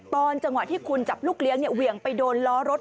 ตอนจังหวะที่คุณจับลูกเลี้ยงเหวี่ยงไปโดนล้อรถ